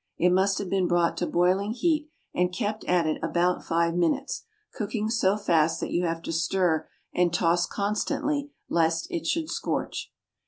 It must have been brought to boiling heat and kept at it about five minutes, cooking so fast that you have to stir and toss constantly lest it should scorch.